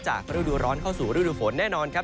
ฤดูร้อนเข้าสู่ฤดูฝนแน่นอนครับ